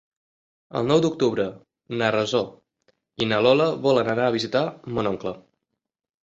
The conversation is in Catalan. El nou d'octubre na Rosó i na Lola volen anar a visitar mon oncle.